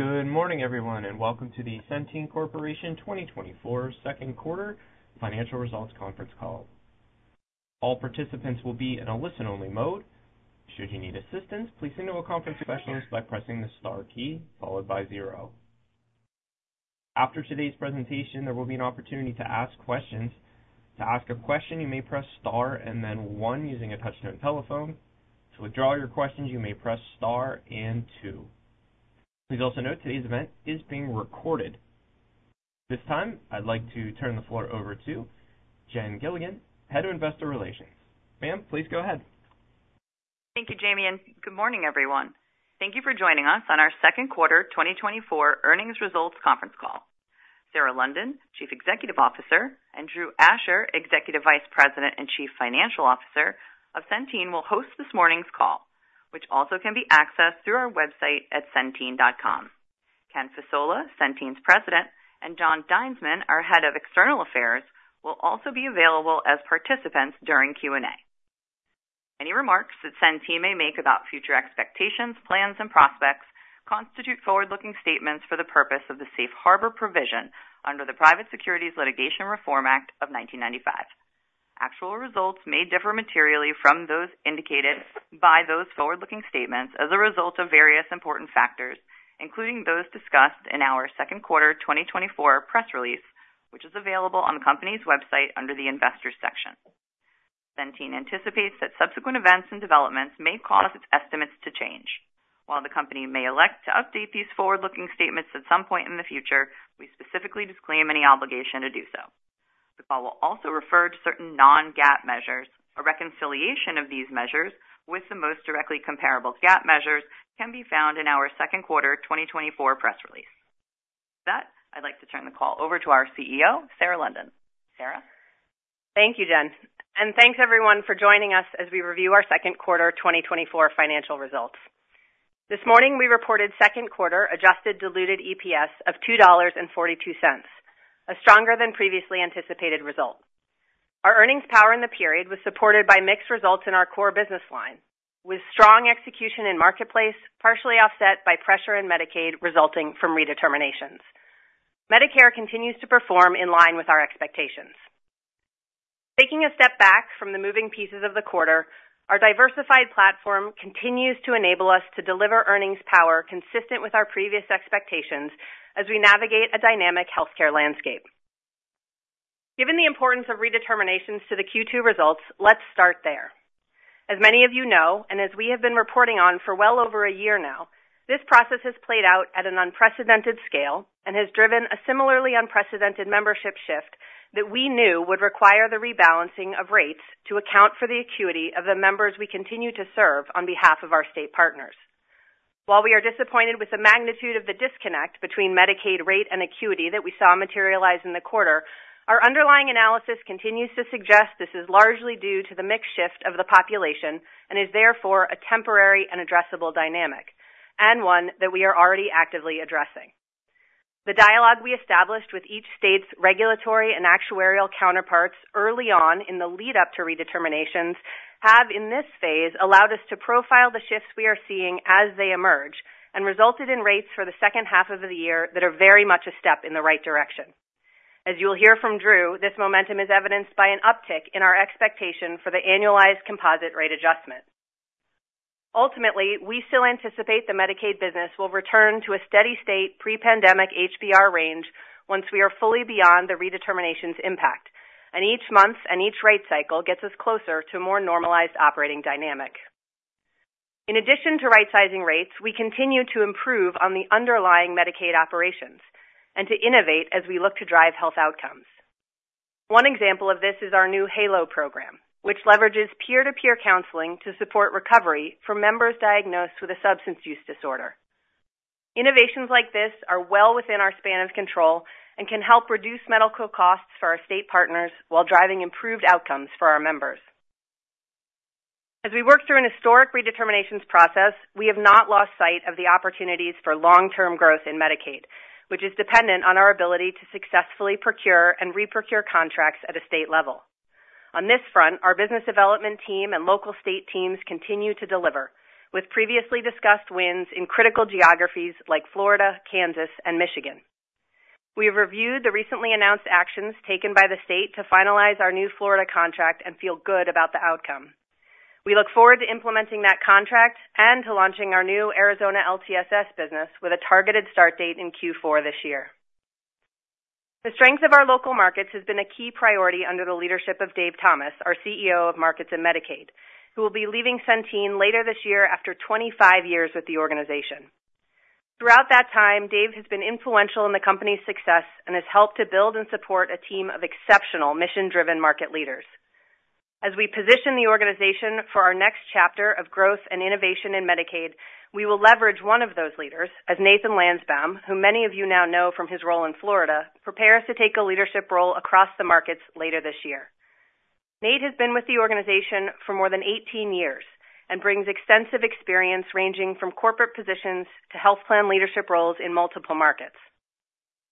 Good morning, everyone, and welcome to the Centene Corporation 2024 Second Quarter Financial Results Conference Call. All participants will be in a listen-only mode. Should you need assistance, please signal a conference specialist by pressing the star key followed by zero. After today's presentation, there will be an opportunity to ask questions. To ask a question, you may press star and then one using a touch-tone telephone. To withdraw your questions, you may press star and two. Please also note today's event is being recorded. This time, I'd like to turn the floor over to Jen Gilligan, Head of Investor Relations. Ma'am, please go ahead. Thank you, Jamie, and good morning, everyone. Thank you for joining us on our Second Quarter 2024 Earnings Results Conference Call. Sarah London, Chief Executive Officer, and Drew Asher, Executive Vice President and Chief Financial Officer of Centene, will host this morning's call, which also can be accessed through our website at centene.com. Ken Fasola, Centene's President, and Jon Dinesman, our Head of External Affairs, will also be available as participants during Q&A. Any remarks that Centene may make about future expectations, plans, and prospects constitute forward-looking statements for the purpose of the safe harbor provision under the Private Securities Litigation Reform Act of 1995. Actual results may differ materially from those indicated by those forward-looking statements as a result of various important factors, including those discussed in our second quarter 2024 press release, which is available on the company's website under the Investors section. Centene anticipates that subsequent events and developments may cause its estimates to change. While the company may elect to update these forward-looking statements at some point in the future, we specifically disclaim any obligation to do so. The call will also refer to certain non-GAAP measures. A reconciliation of these measures with the most directly comparable GAAP measures can be found in our Second Quarter 2024 press release. With that, I'd like to turn the call over to our CEO, Sarah London. Sarah? Thank you, Jen, and thanks, everyone, for joining us as we review our second quarter 2024 financial results. This morning, we reported second quarter adjusted diluted EPS of $2.42, a stronger than previously anticipated result. Our earnings power in the period was supported by mixed results in our core business line, with strong execution in marketplace, partially offset by pressure in Medicaid resulting from redeterminations. Medicare continues to perform in line with our expectations. Taking a step back from the moving pieces of the quarter, our diversified platform continues to enable us to deliver earnings power consistent with our previous expectations as we navigate a dynamic healthcare landscape. Given the importance of redeterminations to the Q2 results, let's start there. As many of you know, and as we have been reporting on for well over a year now, this process has played out at an unprecedented scale and has driven a similarly unprecedented membership shift that we knew would require the rebalancing of rates to account for the acuity of the members we continue to serve on behalf of our state partners. While we are disappointed with the magnitude of the disconnect between Medicaid rate and acuity that we saw materialize in the quarter, our underlying analysis continues to suggest this is largely due to the mixed shift of the population and is therefore a temporary and addressable dynamic, and one that we are already actively addressing. The dialogue we established with each state's regulatory and actuarial counterparts early on in the lead-up to redeterminations has, in this phase, allowed us to profile the shifts we are seeing as they emerge and resulted in rates for the second half of the year that are very much a step in the right direction. As you will hear from Drew, this momentum is evidenced by an uptick in our expectation for the annualized composite rate adjustment. Ultimately, we still anticipate the Medicaid business will return to a steady state pre-pandemic HBR range once we are fully beyond the redeterminations' impact, and each month and each rate cycle gets us closer to a more normalized operating dynamic. In addition to right-sizing rates, we continue to improve on the underlying Medicaid operations and to innovate as we look to drive health outcomes. One example of this is our new HALO program, which leverages peer-to-peer counseling to support recovery for members diagnosed with a substance use disorder. Innovations like this are well within our span of control and can help reduce medical costs for our state partners while driving improved outcomes for our members. As we work through a historic redeterminations process, we have not lost sight of the opportunities for long-term growth in Medicaid, which is dependent on our ability to successfully procure and reprocure contracts at a state level. On this front, our business development team and local state teams continue to deliver, with previously discussed wins in critical geographies like Florida, Kansas, and Michigan. We have reviewed the recently announced actions taken by the state to finalize our new Florida contract and feel good about the outcome. We look forward to implementing that contract and to launching our new Arizona LTSS business with a targeted start date in Q4 this year. The strength of our local markets has been a key priority under the leadership of David Thomas, our CEO of Markets and Medicaid, who will be leaving Centene later this year after 25 years with the organization. Throughout that time, Dave has been influential in the company's success and has helped to build and support a team of exceptional mission-driven market leaders. As we position the organization for our next chapter of growth and innovation in Medicaid, we will leverage one of those leaders, as Nathan Landsbaum, whom many of you now know from his role in Florida, prepares to take a leadership role across the markets later this year. Nate has been with the organization for more than 18 years and brings extensive experience ranging from corporate positions to health plan leadership roles in multiple markets.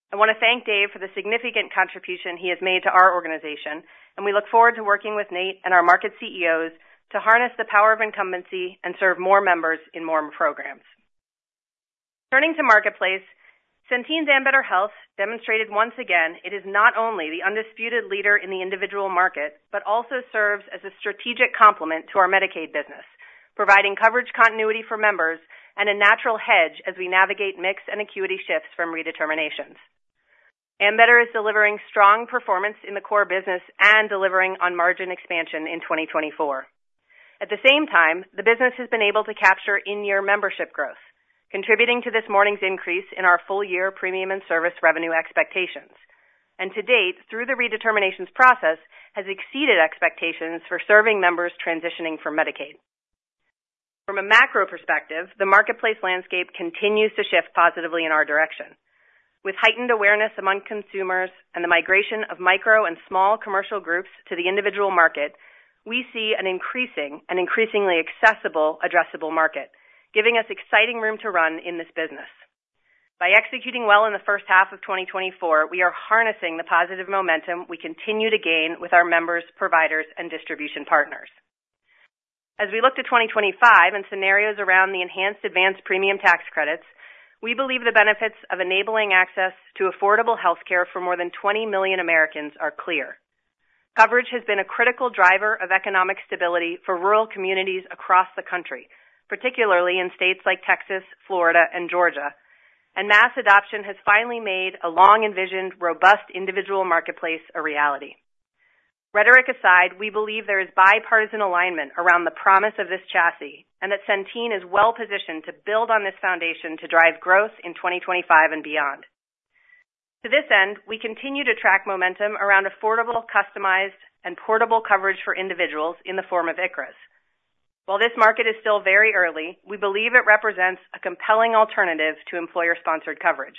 I want to thank Dave for the significant contribution he has made to our organization, and we look forward to working with Nate and our market CEOs to harness the power of incumbency and serve more members in more programs. Turning to Marketplace, Centene's Ambetter Health demonstrated once again it is not only the undisputed leader in the individual market, but also serves as a strategic complement to our Medicaid business, providing coverage continuity for members and a natural hedge as we navigate mixed and acuity shifts from redeterminations. Ambetter is delivering strong performance in the core business and delivering on margin expansion in 2024. At the same time, the business has been able to capture in-year membership growth, contributing to this morning's increase in our full-year premium and service revenue expectations, and to date, through the redeterminations process, has exceeded expectations for serving members transitioning from Medicaid. From a macro perspective, the Marketplace landscape continues to shift positively in our direction. With heightened awareness among consumers and the migration of micro and small commercial groups to the individual market, we see an increasing and increasingly accessible addressable market, giving us exciting room to run in this business. By executing well in the first half of 2024, we are harnessing the positive momentum we continue to gain with our members, providers, and distribution partners. As we look to 2025 and scenarios around the enhanced advanced premium tax credits, we believe the benefits of enabling access to affordable healthcare for more than 20 million Americans are clear. Coverage has been a critical driver of economic stability for rural communities across the country, particularly in states like Texas, Florida, and Georgia, and mass adoption has finally made a long-envisioned robust individual marketplace a reality. Rhetoric aside, we believe there is bipartisan alignment around the promise of this chassis and that Centene is well-positioned to build on this foundation to drive growth in 2025 and beyond. To this end, we continue to track momentum around affordable, customized, and portable coverage for individuals in the form of ICHRAs. While this market is still very early, we believe it represents a compelling alternative to employer-sponsored coverage.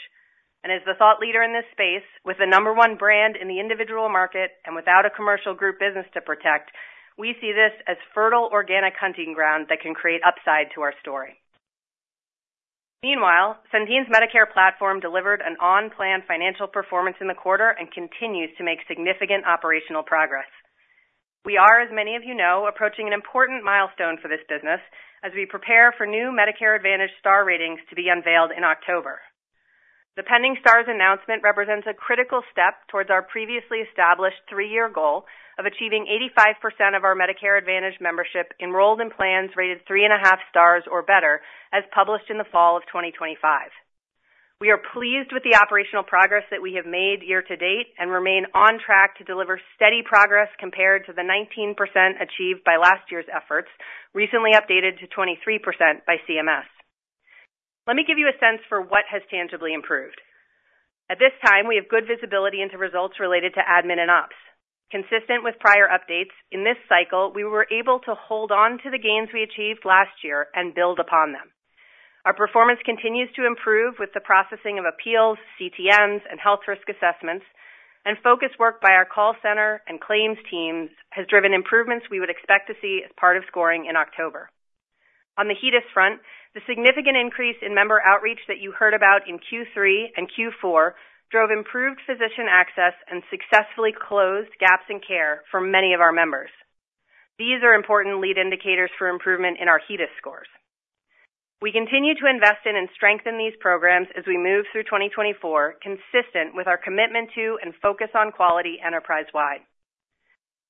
As the thought leader in this space, with the number one brand in the individual market and without a commercial group business to protect, we see this as fertile organic hunting ground that can create upside to our story. Meanwhile, Centene's Medicare platform delivered an on-plan financial performance in the quarter and continues to make significant operational progress. We are, as many of you know, approaching an important milestone for this business as we prepare for new Medicare Advantage Star Ratings to be unveiled in October. The pending Stars announcement represents a critical step towards our previously established three-year goal of achieving 85% of our Medicare Advantage membership enrolled in plans rated 3.5 stars or better, as published in the fall of 2025. We are pleased with the operational progress that we have made year to date and remain on track to deliver steady progress compared to the 19% achieved by last year's efforts, recently updated to 23% by CMS. Let me give you a sense for what has tangibly improved. At this time, we have good visibility into results related to admin and ops. Consistent with prior updates, in this cycle, we were able to hold on to the gains we achieved last year and build upon them. Our performance continues to improve with the processing of appeals, CTMs, and health risk assessments, and focused work by our call center and claims teams has driven improvements we would expect to see as part of scoring in October. On the HEDIS front, the significant increase in member outreach that you heard about in Q3 and Q4 drove improved physician access and successfully closed gaps in care for many of our members. These are important lead indicators for improvement in our HEDIS scores. We continue to invest in and strengthen these programs as we move through 2024, consistent with our commitment to and focus on quality enterprise-wide.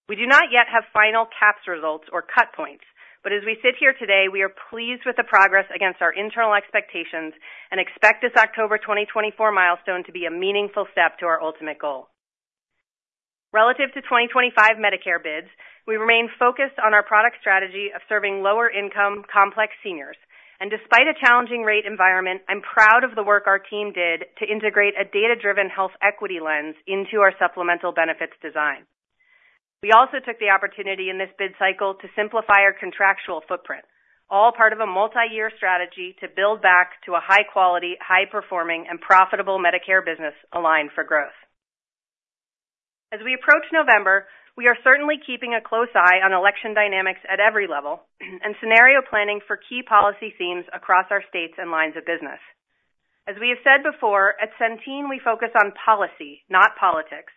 We do not yet have final CAHPS results or Cut Points, but as we sit here today, we are pleased with the progress against our internal expectations and expect this October 2024 milestone to be a meaningful step to our ultimate goal. Relative to 2025 Medicare bids, we remain focused on our product strategy of serving lower-income complex seniors, and despite a challenging rate environment, I'm proud of the work our team did to integrate a data-driven health equity lens into our supplemental benefits design. We also took the opportunity in this bid cycle to simplify our contractual footprint, all part of a multi-year strategy to build back to a high-quality, high-performing, and profitable Medicare business aligned for growth. As we approach November, we are certainly keeping a close eye on election dynamics at every level and scenario planning for key policy themes across our states and lines of business. As we have said before, at Centene, we focus on policy, not politics,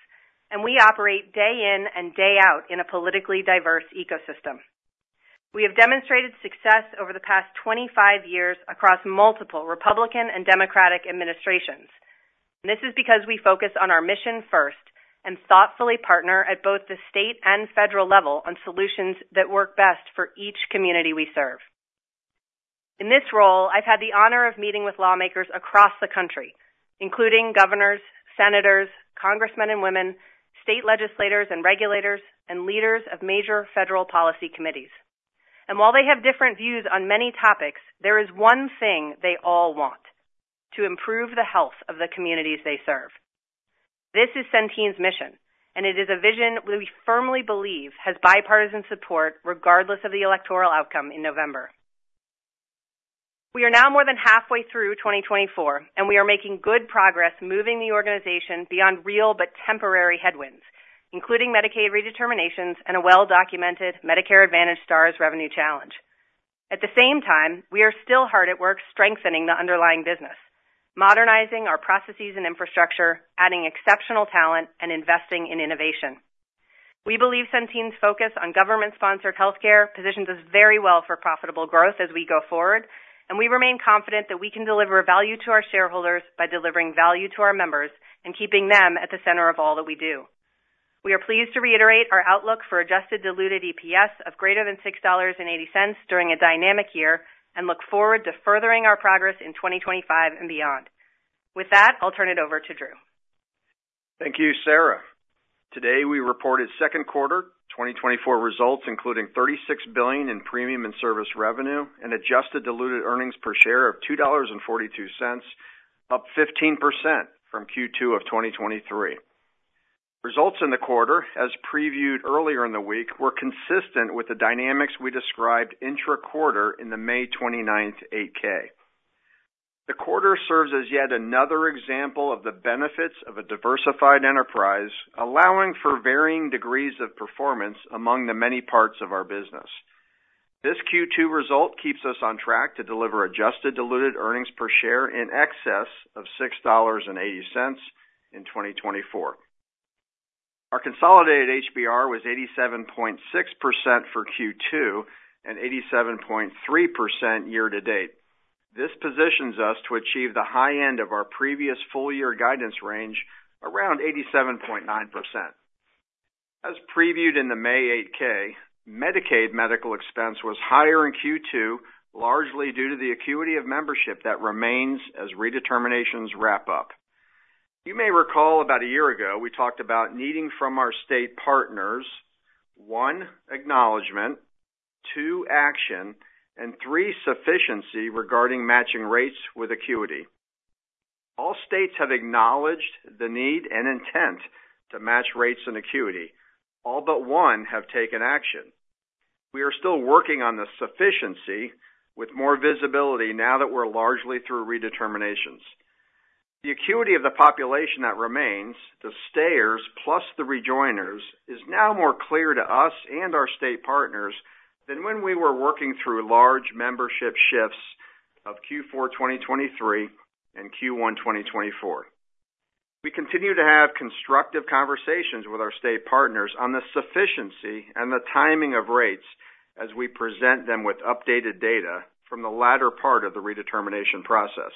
and we operate day in and day out in a politically diverse ecosystem. We have demonstrated success over the past 25 years across multiple Republican and Democratic administrations. This is because we focus on our mission first and thoughtfully partner at both the state and federal level on solutions that work best for each community we serve. In this role, I've had the honor of meeting with lawmakers across the country, including governors, senators, congressmen and women, state legislators and regulators, and leaders of major federal policy committees. While they have different views on many topics, there is one thing they all want: to improve the health of the communities they serve. This is Centene's mission, and it is a vision we firmly believe has bipartisan support regardless of the electoral outcome in November. We are now more than halfway through 2024, and we are making good progress moving the organization beyond real but temporary headwinds, including Medicaid redeterminations and a well-documented Medicare Advantage Stars revenue challenge. At the same time, we are still hard at work strengthening the underlying business, modernizing our processes and infrastructure, adding exceptional talent, and investing in innovation. We believe Centene's focus on government-sponsored healthcare positions us very well for profitable growth as we go forward, and we remain confident that we can deliver value to our shareholders by delivering value to our members and keeping them at the center of all that we do. We are pleased to reiterate our outlook for adjusted diluted EPS of greater than $6.80 during a dynamic year and look forward to furthering our progress in 2025 and beyond. With that, I'll turn it over to Drew. Thank you, Sarah. Today, we reported second quarter 2024 results, including $36 billion in premium and service revenue and adjusted diluted earnings per share of $2.42, up 15% from Q2 of 2023. Results in the quarter, as previewed earlier in the week, were consistent with the dynamics we described intra-quarter in the May 29th 8-K. The quarter serves as yet another example of the benefits of a diversified enterprise, allowing for varying degrees of performance among the many parts of our business. This Q2 result keeps us on track to deliver adjusted diluted earnings per share in excess of $6.80 in 2024. Our consolidated HBR was 87.6% for Q2 and 87.3% year to date. This positions us to achieve the high end of our previous full-year guidance range, around 87.9%. As previewed in the May 8-K, Medicaid medical expense was higher in Q2, largely due to the acuity of membership that remains as redeterminations wrap up. You may recall about a year ago we talked about needing from our state partners one: acknowledgment, two: action, and three: sufficiency regarding matching rates with acuity. All states have acknowledged the need and intent to match rates and acuity. All but one have taken action. We are still working on the sufficiency with more visibility now that we're largely through redeterminations. The acuity of the population that remains, the stayers plus the rejoiners, is now more clear to us and our state partners than when we were working through large membership shifts of Q4 2023 and Q1 2024. We continue to have constructive conversations with our state partners on the sufficiency and the timing of rates as we present them with updated data from the latter part of the redetermination process.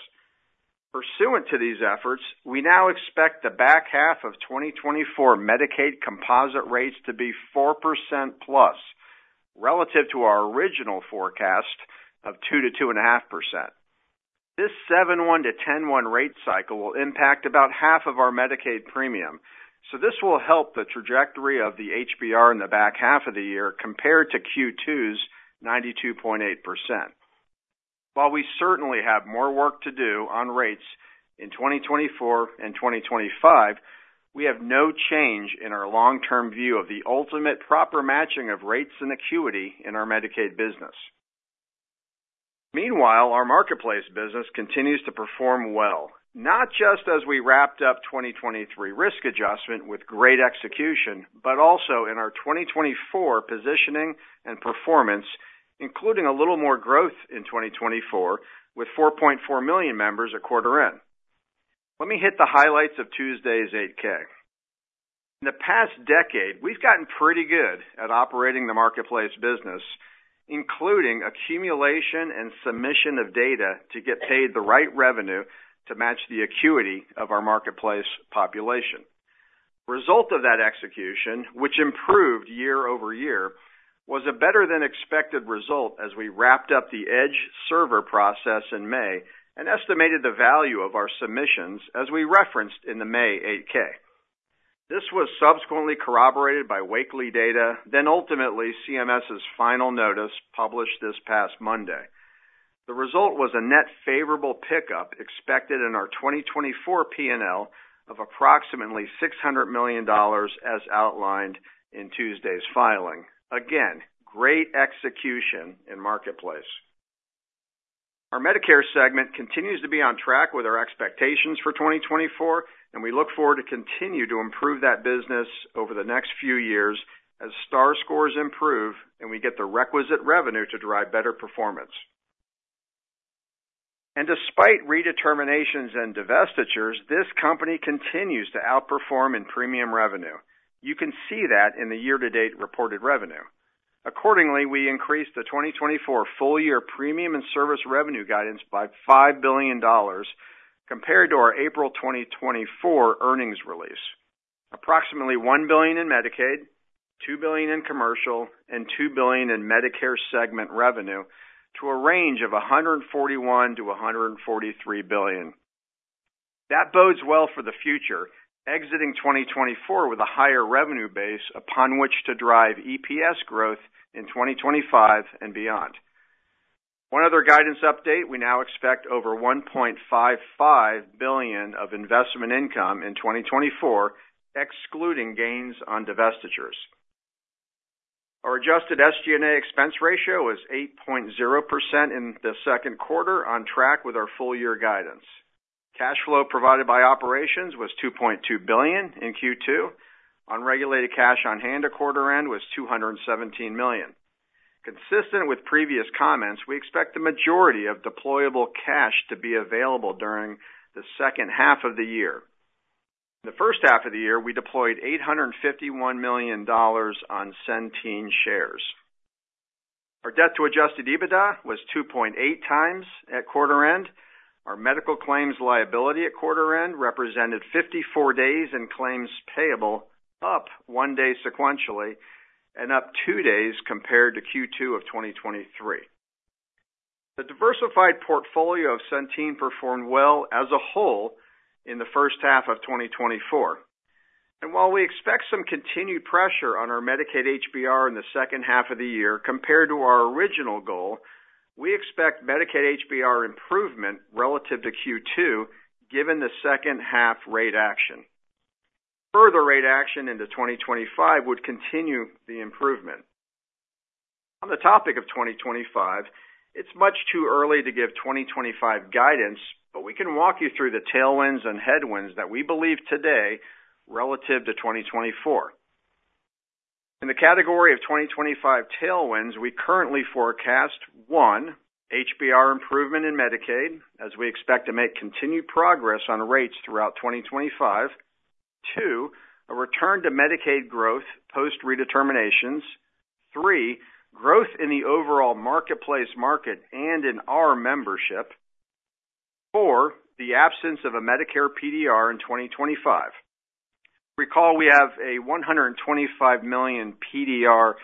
Pursuant to these efforts, we now expect the back half of 2024 Medicaid composite rates to be 4%+ relative to our original forecast of 2%-2.5%. This 7/1 to 10/1 rate cycle will impact about half of our Medicaid premium, so this will help the trajectory of the HBR in the back half of the year compared to Q2's 92.8%. While we certainly have more work to do on rates in 2024 and 2025, we have no change in our long-term view of the ultimate proper matching of rates and acuity in our Medicaid business. Meanwhile, our Marketplace business continues to perform well, not just as we wrapped up 2023 risk adjustment with great execution, but also in our 2024 positioning and performance, including a little more growth in 2024 with 4.4 million members a quarter in. Let me hit the highlights of Tuesday's 8-K. In the past decade, we've gotten pretty good at operating the Marketplace business, including accumulation and submission of data to get paid the right revenue to match the acuity of our Marketplace population. The result of that execution, which improved year-over-year, was a better-than-expected result as we wrapped up the Edge Server process in May and estimated the value of our submissions as we referenced in the May 8-K. This was subsequently corroborated by weekly data, then ultimately CMS's final notice published this past Monday. The result was a net favorable pickup expected in our 2024 P&L of approximately $600 million as outlined in Tuesday's filing. Again, great execution in marketplace. Our Medicare segment continues to be on track with our expectations for 2024, and we look forward to continuing to improve that business over the next few years as Star scores improve and we get the requisite revenue to drive better performance. Despite redeterminations and divestitures, this company continues to outperform in premium revenue. You can see that in the year-to-date reported revenue. Accordingly, we increased the 2024 full-year premium and service revenue guidance by $5 billion compared to our April 2024 earnings release, approximately $1 billion in Medicaid, $2 billion in commercial, and $2 billion in Medicare segment revenue to a range of $141 billion-$143 billion. That bodes well for the future, exiting 2024 with a higher revenue base upon which to drive EPS growth in 2025 and beyond. One other guidance update: we now expect over $1.55 billion of investment income in 2024, excluding gains on divestitures. Our adjusted SG&A expense ratio was 8.0% in the second quarter, on track with our full-year guidance. Cash flow provided by operations was $2.2 billion in Q2. Unregulated cash on hand at quarter end was $217 million. Consistent with previous comments, we expect the majority of deployable cash to be available during the second half of the year. In the first half of the year, we deployed $851 million on Centene shares. Our debt-to-adjusted EBITDA was 2.8x at quarter end. Our medical claims liability at quarter end represented 54 days in claims payable, up one day sequentially and up two days compared to Q2 of 2023. The diversified portfolio of Centene performed well as a whole in the first half of 2024. While we expect some continued pressure on our Medicaid HBR in the second half of the year compared to our original goal, we expect Medicaid HBR improvement relative to Q2 given the second half rate action. Further rate action into 2025 would continue the improvement. On the topic of 2025, it's much too early to give 2025 guidance, but we can walk you through the tailwinds and headwinds that we believe today relative to 2024. In the category of 2025 tailwinds, we currently forecast: one, HBR improvement in Medicaid as we expect to make continued progress on rates throughout 2025; two, a return to Medicaid growth post-redeterminations; three, growth in the overall marketplace market and in our membership; four, the absence of a Medicare PDR in 2025. Recall we have a $125 million PDR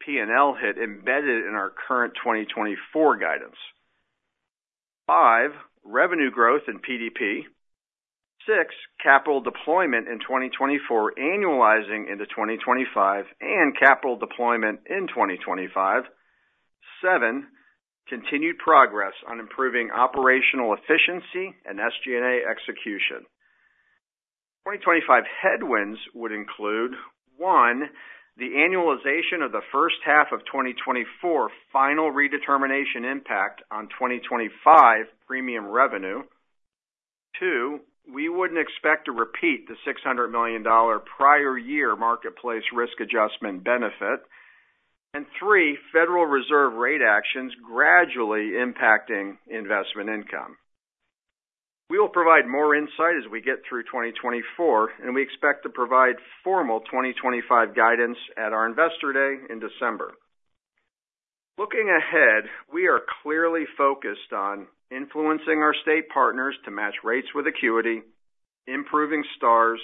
P&L hit embedded in our current 2024 guidance. Five, revenue growth in PDP. Six, capital deployment in 2024 annualizing into 2025 and capital deployment in 2025. Seven, continued progress on improving operational efficiency and SG&A execution. 2025 headwinds would include: One, the annualization of the first half of 2024 final redetermination impact on 2025 premium revenue; Two, we wouldn't expect to repeat the $600 million prior year marketplace risk adjustment benefit; and Three, Federal Reserve rate actions gradually impacting investment income. We will provide more insight as we get through 2024, and we expect to provide formal 2025 guidance at our investor day in December. Looking ahead, we are clearly focused on influencing our state partners to match rates with acuity, improving Stars,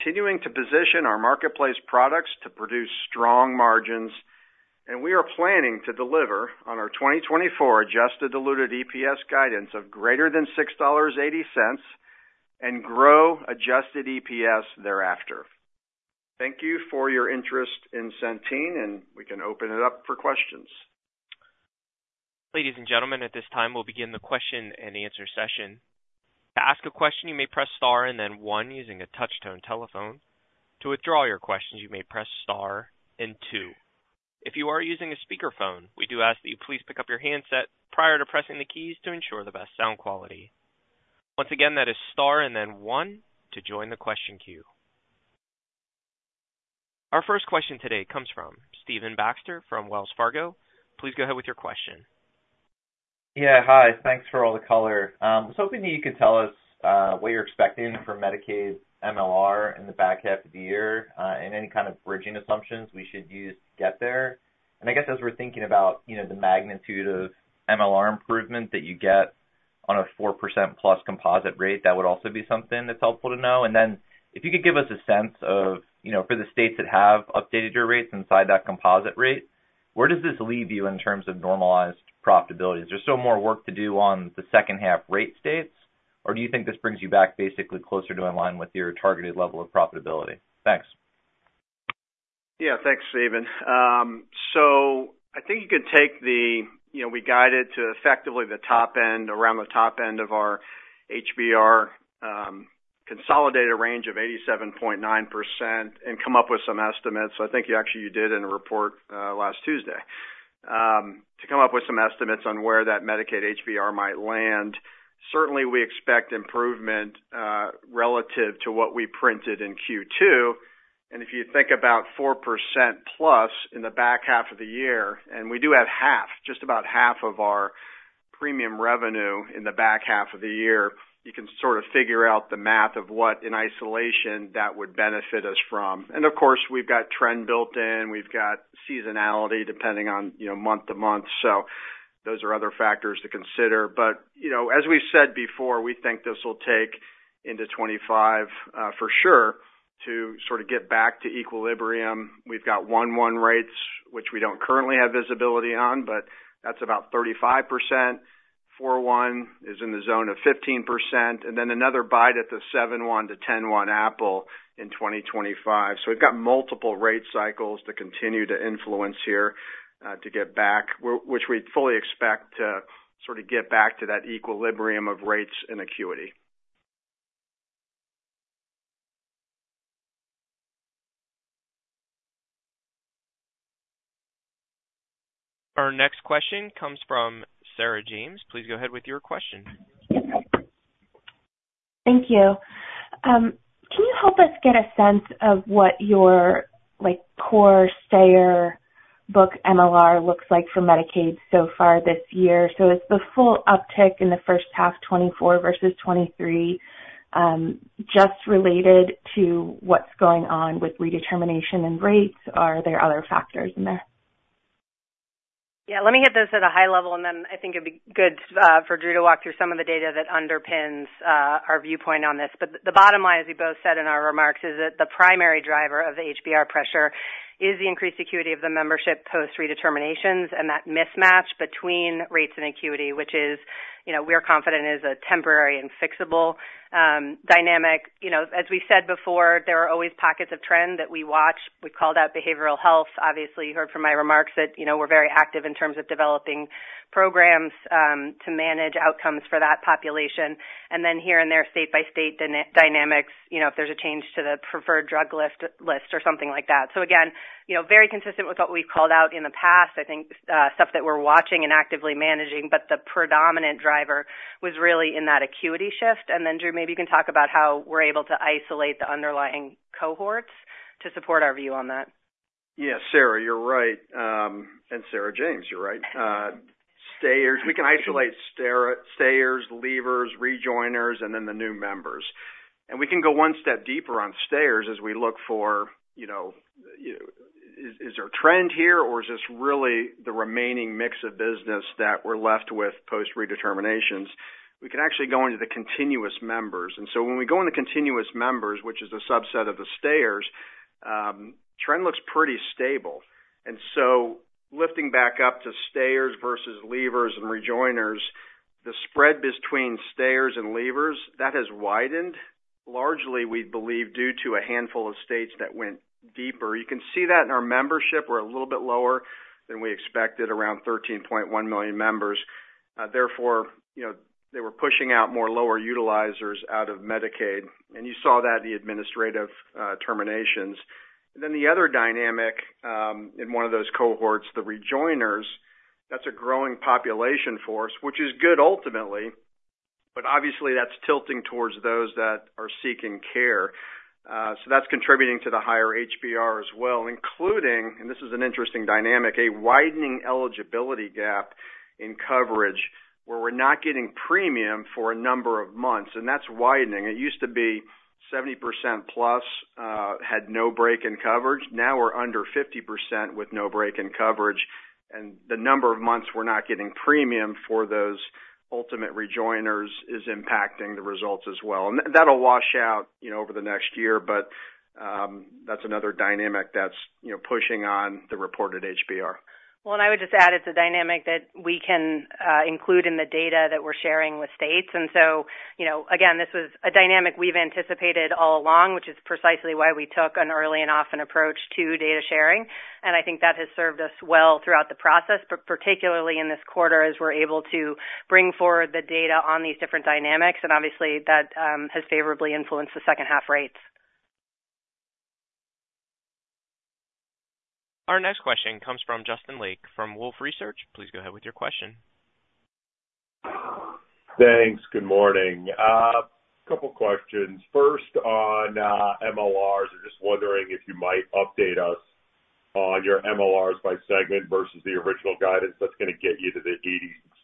continuing to position our marketplace products to produce strong margins, and we are planning to deliver on our 2024 Adjusted Diluted EPS guidance of greater than $6.80 and grow adjusted EPS thereafter. Thank you for your interest in Centene, and we can open it up for questions. Ladies and gentlemen, at this time, we'll begin the question and answer session. To ask a question, you may press star and then one using a touch-tone telephone. To withdraw your questions, you may press star and two. If you are using a speakerphone, we do ask that you please pick up your handset prior to pressing the keys to ensure the best sound quality. Once again, that is star and then one to join the question queue. Our first question today comes from Stephen Baxter from Wells Fargo. Please go ahead with your question. Yeah, hi. Thanks for all the color. I was hoping that you could tell us what you're expecting for Medicaid MLR in the back half of the year and any kind of bridging assumptions we should use to get there. And I guess as we're thinking about the magnitude of MLR improvement that you get on a 4%+ composite rate, that would also be something that's helpful to know. And then if you could give us a sense of, for the states that have updated your rates inside that composite rate, where does this leave you in terms of normalized profitability? Is there still more work to do on the second half rate states, or do you think this brings you back basically closer to in line with your targeted level of profitability? Thanks. Yeah, thanks, Stephen. So I think you could take the, we guided to effectively the top end, around the top end of our HBR consolidated range of 87.9% and come up with some estimates. I think actually you did in a report last Tuesday to come up with some estimates on where that Medicaid HBR might land. Certainly, we expect improvement relative to what we printed in Q2. If you think about 4%+ in the back half of the year, and we do have half, just about half of our premium revenue in the back half of the year, you can sort of figure out the math of what in isolation that would benefit us from. And of course, we've got trend built in. We've got seasonality depending on month to month. So those are other factors to consider. But as we've said before, we think this will take into 2025 for sure to sort of get back to equilibrium. We've got 1/1 rates, which we don't currently have visibility on, but that's about 35%. 4/1 is in the zone of 15%. And then another bite at the 7/1 to 10/1 apple in 2025. So we've got multiple rate cycles to continue to influence here to get back, which we fully expect to sort of get back to that equilibrium of rates and acuity. Our next question comes from Sarah James. Please go ahead with your question. Thank you. Can you help us get a sense of what your core stayer book MLR looks like for Medicaid so far this year? So is the full uptick in the first half 2024 versus 2023 just related to what's going on with redetermination and rates? Are there other factors in there? Yeah, let me hit this at a high level, and then I think it'd be good for Drew to walk through some of the data that underpins our viewpoint on this. The bottom line, as we both said in our remarks, is that the primary driver of the HBR pressure is the increased acuity of the membership post-redeterminations and that mismatch between rates and acuity, which we're confident is a temporary and fixable dynamic. As we said before, there are always pockets of trend that we watch. We call that behavioral health. Obviously, you heard from my remarks that we're very active in terms of developing programs to manage outcomes for that population. And then here and there, state by state dynamics, if there's a change to the preferred drug list or something like that. So again, very consistent with what we've called out in the past, I think stuff that we're watching and actively managing, but the predominant driver was really in that acuity shift. Then, Drew, maybe you can talk about how we're able to isolate the underlying cohorts to support our view on that. Yeah, Sarah, you're right. And Sarah James, you're right. We can isolate stayers, leavers, rejoiners, and then the new members. And we can go one step deeper on stayers as we look for, is there a trend here, or is this really the remaining mix of business that we're left with post-redeterminations? We can actually go into the continuous members. And so when we go into continuous members, which is a subset of the stayers, trend looks pretty stable. And so lifting back up to stayers versus leavers and rejoiners, the spread between stayers and leavers, that has widened largely, we believe, due to a handful of states that went deeper. You can see that in our membership. We're a little bit lower than we expected, around 13.1 million members. Therefore, they were pushing out more lower utilizers out of Medicaid. And you saw that in the administrative terminations. And then the other dynamic in one of those cohorts, the rejoiners, that's a growing population force, which is good ultimately, but obviously that's tilting towards those that are seeking care. So that's contributing to the higher HBR as well, including, and this is an interesting dynamic, a widening eligibility gap in coverage where we're not getting premium for a number of months. And that's widening. It used to be 70%+ had no break in coverage. Now we're under 50% with no break in coverage. And the number of months we're not getting premium for those ultimate rejoiners is impacting the results as well. And that'll wash out over the next year, but that's another dynamic that's pushing on the reported HBR. Well, and I would just add it's a dynamic that we can include in the data that we're sharing with states. And so again, this was a dynamic we've anticipated all along, which is precisely why we took an early and often approach to data sharing. And I think that has served us well throughout the process, but particularly in this quarter as we're able to bring forward the data on these different dynamics. And obviously, that has favorably influenced the second half rates. Our next question comes from Justin Lake from Wolfe Research. Please go ahead with your question. Thanks. Good morning. A couple of questions. First on MLRs, I'm just wondering if you might update us on your MLRs by segment versus the original guidance that's going to get you to the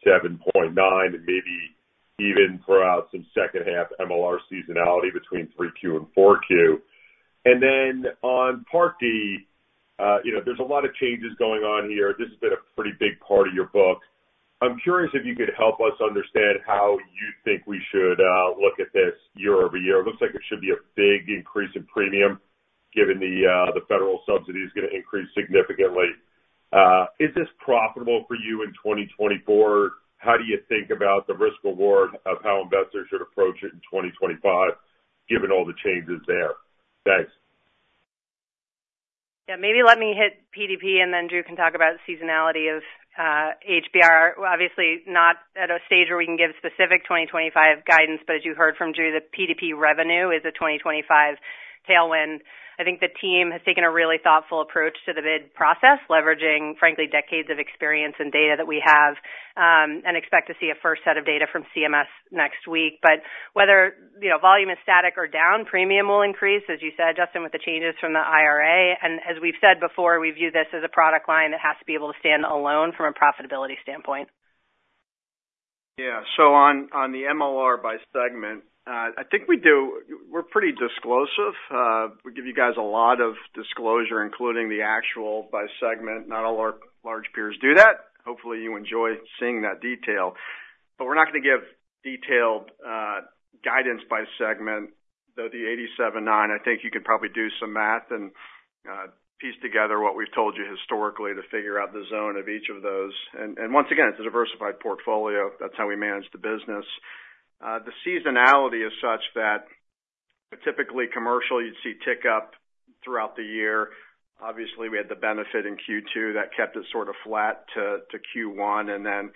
87.9% and maybe even throw out some second half MLR seasonality between 3Q and 4Q. And then on Part D, there's a lot of changes going on here. This has been a pretty big part of your book. I'm curious if you could help us understand how you think we should look at this year-over-year. It looks like it should be a big increase in premium given the federal subsidy is going to increase significantly. Is this profitable for you in 2024? How do you think about the risk-reward of how investors should approach it in 2025 given all the changes there? Thanks. Yeah, maybe let me hit PDP and then Drew can talk about seasonality of HBR. Obviously, not at a stage where we can give specific 2025 guidance, but as you heard from Drew, the PDP revenue is a 2025 tailwind. I think the team has taken a really thoughtful approach to the bid process, leveraging, frankly, decades of experience and data that we have and expect to see a first set of data from CMS next week. But whether volume is static or down, premium will increase, as you said, Justin, with the changes from the IRA. And as we've said before, we view this as a product line that has to be able to stand alone from a profitability standpoint. Yeah. So on the MLR by segment, I think we're pretty disclosive. We give you guys a lot of disclosure, including the actual by segment. Not all our large peers do that. Hopefully, you enjoy seeing that detail. But we're not going to give detailed guidance by segment, though the 87.9%, I think you could probably do some math and piece together what we've told you historically to figure out the zone of each of those. And once again, it's a diversified portfolio. That's how we manage the business. The seasonality is such that typically commercial, you'd see tick up throughout the year. Obviously, we had the benefit in Q2 that kept it sort of flat to Q1. And then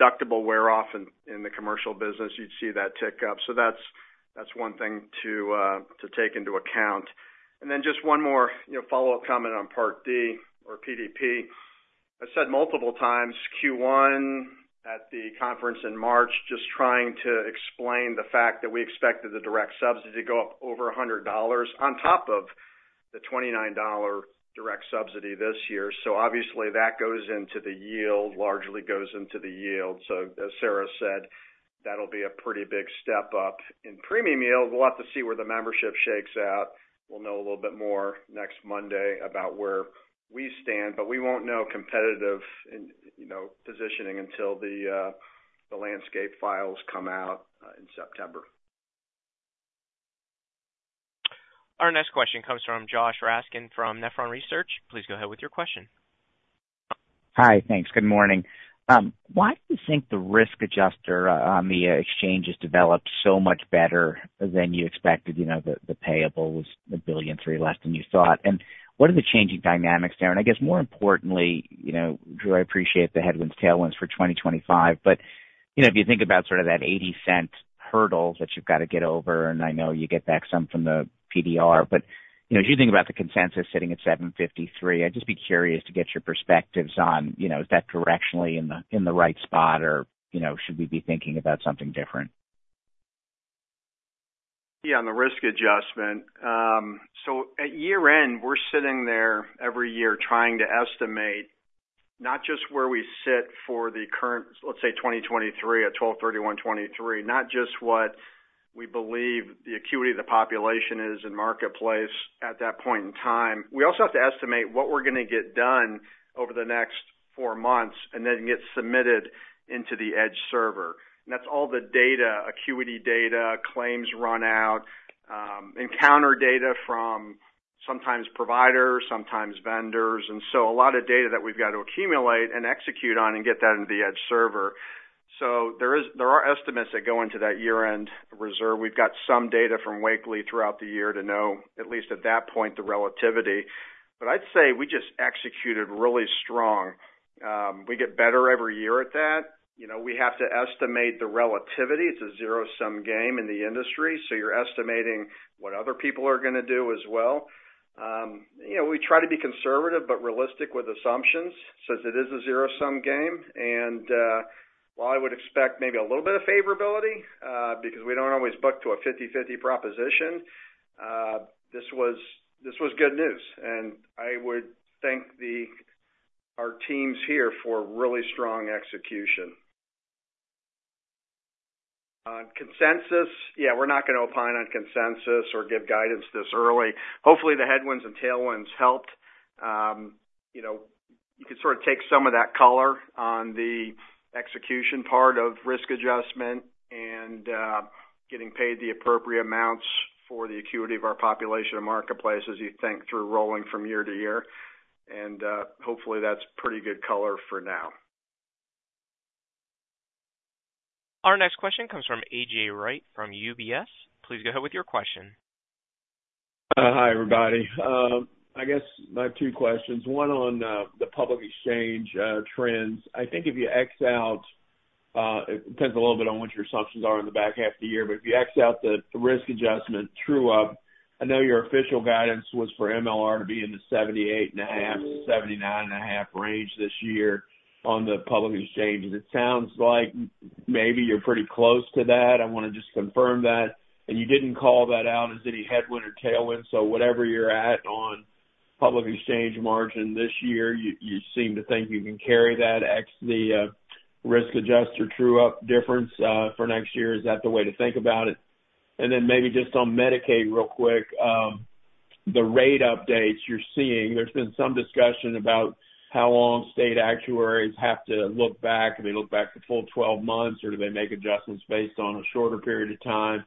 deductible wear off in the commercial business, you'd see that tick up. So that's one thing to take into account. And then just one more follow-up comment on Part D or PDP. I said multiple times Q1 at the conference in March, just trying to explain the fact that we expected the direct subsidy to go up over $100 on top of the $29 direct subsidy this year. So obviously, that goes into the yield, largely goes into the yield. So as Sarah said, that'll be a pretty big step up in premium yield. We'll have to see where the membership shakes out. We'll know a little bit more next Monday about where we stand, but we won't know competitive positioning until the landscape files come out in September. Our next question comes from Joshua Raskin from Nephron Research. Please go ahead with your question. Hi, thanks. Good morning. Why do you think the risk adjustment on the exchange has developed so much better than you expected? The payable was $1.3 billion less than you thought. And what are the changing dynamics there? And I guess more importantly, Drew, I appreciate the headwinds, tailwinds for 2025, but if you think about sort of that $0.80 hurdle that you've got to get over, and I know you get back some from the PDR, but if you think about the consensus sitting at $7.53, I'd just be curious to get your perspectives on, is that directionally in the right spot, or should we be thinking about something different? Yeah, on the risk adjustment. So at year-end, we're sitting there every year trying to estimate not just where we sit for the current, let's say, 2023 at 12/31/2023, not just what we believe the acuity of the population is in marketplace at that point in time. We also have to estimate what we're going to get done over the next four months and then get submitted into the Edge Server. That's all the data, acuity data, claims run out, encounter data from sometimes providers, sometimes vendors. So a lot of data that we've got to accumulate and execute on and get that into the Edge Server. There are estimates that go into that year-end reserve. We've got some data from Wakely throughout the year to know, at least at that point, the relativity. But I'd say we just executed really strong. We get better every year at that. We have to estimate the relativity. It's a zero-sum game in the industry. So you're estimating what other people are going to do as well. We try to be conservative but realistic with assumptions since it is a zero-sum game. While I would expect maybe a little bit of favorability because we don't always book to a 50/50 proposition, this was good news. And I would thank our teams here for really strong execution. Consensus, yeah, we're not going to opine on consensus or give guidance this early. Hopefully, the headwinds and tailwinds helped. You could sort of take some of that color on the execution part of risk adjustment and getting paid the appropriate amounts for the acuity of our population and marketplaces, you'd think, through rolling from year to year. And hopefully, that's pretty good color for now. Our next question comes from A.J. Rice from UBS. Please go ahead with your question. Hi, everybody. I guess I have two questions. One on the public exchange trends. I think if you X out, it depends a little bit on what your assumptions are in the back half of the year, but if you X out the risk adjustment, Drew, I know your official guidance was for MLR to be in the 78.5%-79.5% range this year on the public exchange. It sounds like maybe you're pretty close to that. I want to just confirm that. You didn't call that out as any headwind or tailwind. Whatever you're at on public exchange margin this year, you seem to think you can carry that X the risk adjuster true-up difference for next year. Is that the way to think about it? Then maybe just on Medicaid real quick, the rate updates you're seeing, there's been some discussion about how long state actuaries have to look back. Do they look back the full 12 months, or do they make adjustments based on a shorter period of time?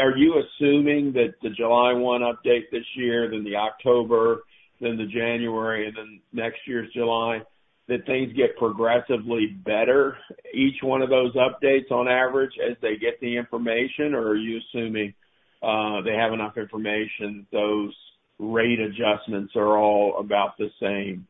Are you assuming that the July 1 update this year, then the October, then the January, and then next year's July, that things get progressively better, each one of those updates on average as they get the information, or are you assuming they have enough information that those rate adjustments are all about the same?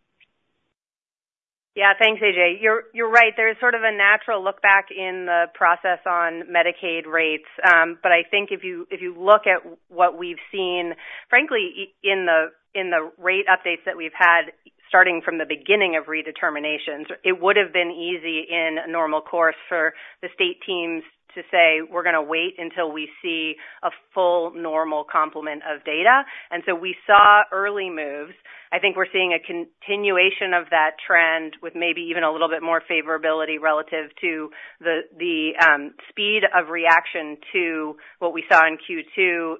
Yeah, thanks, A.J. You're right. There's sort of a natural look back in the process on Medicaid rates. But I think if you look at what we've seen, frankly, in the rate updates that we've had starting from the beginning of redeterminations, it would have been easy in normal course for the state teams to say, "We're going to wait until we see a full normal complement of data." And so we saw early moves. I think we're seeing a continuation of that trend with maybe even a little bit more favorability relative to the speed of reaction to what we saw in Q2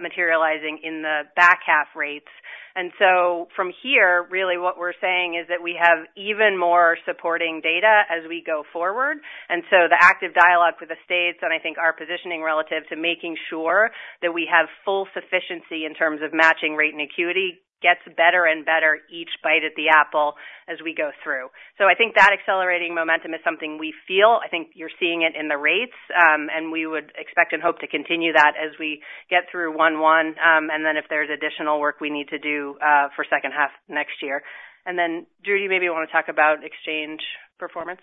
materializing in the back half rates. And so from here, really, what we're saying is that we have even more supporting data as we go forward. And so the active dialogue with the states and I think our positioning relative to making sure that we have full sufficiency in terms of matching rate and acuity gets better and better each bite of the apple as we go through. So I think that accelerating momentum is something we feel. I think you're seeing it in the rates, and we would expect and hope to continue that as we get through 1/1. And then if there's additional work we need to do for second half next year. And then, Drew, do you maybe want to talk about exchange performance?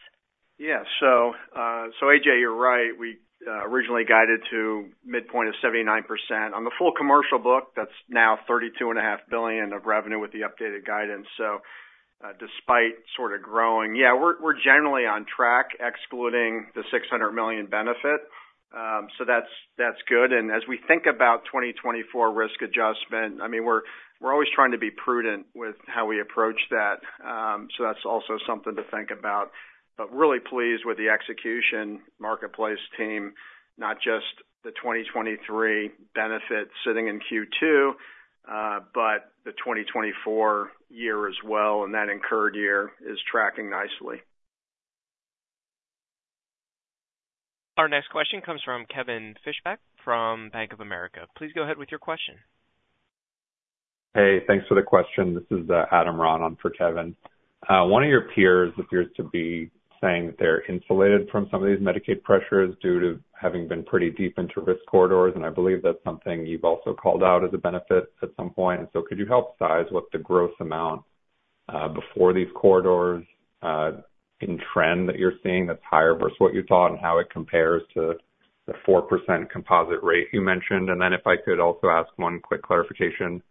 Yeah. So A.J., you're right. We originally guided to midpoint of 79%. On the full commercial book, that's now $32.5 billion of revenue with the updated guidance. So despite sort of growing, yeah, we're generally on track excluding the $600 million benefit. So that's good. And as we think about 2024 risk adjustment, I mean, we're always trying to be prudent with how we approach that. So that's also something to think about. But really pleased with the execution marketplace team, not just the 2023 benefit sitting in Q2, but the 2024 year as well. And that incurred year is tracking nicely. Our next question comes from Kevin Fischbeck from Bank of America. Please go ahead with your question. Hey, thanks for the question. This is Adam Ron for Kevin. One of your peers appears to be saying that they're insulated from some of these Medicaid pressures due to having been pretty deep into risk corridors. And I believe that's something you've also called out as a benefit at some point. And so could you help size what the gross amount before these corridors in trend that you're seeing that's higher versus what you thought and how it compares to the 4% composite rate you mentioned? And then if I could also ask one quick clarification.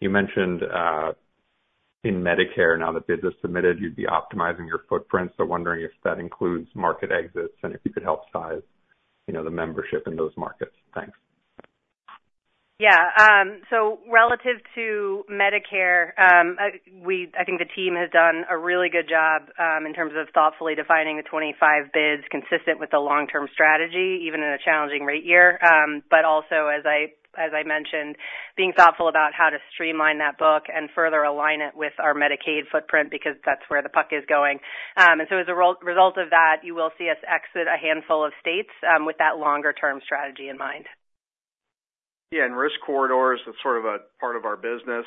You mentioned in Medicare, now that business submitted, you'd be optimizing your footprint. So wondering if that includes market exits and if you could help size the membership in those markets? Thanks. Yeah. Relative to Medicare, I think the team has done a really good job in terms of thoughtfully defining the 2025 bids consistent with the long-term strategy, even in a challenging rate year. But also, as I mentioned, being thoughtful about how to streamline that book and further align it with our Medicaid footprint because that's where the puck is going. And so as a result of that, you will see us exit a handful of states with that longer-term strategy in mind. Yeah. And risk corridors, that's sort of a part of our business.